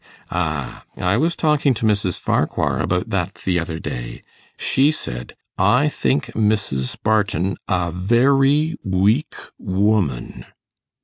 'Ah! I was talking to Mrs. Farquhar about that the other day. She said, "I think Mrs. Barton a v e r y w e a k w o m a n".